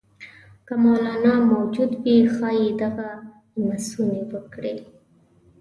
که مولنا موجود وي ښايي دغه ته لمسونې وکړي.